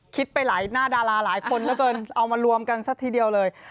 ไปหลายหน้าดาราหลายคนเหลือเกินเอามารวมกันซะทีเดียวเลย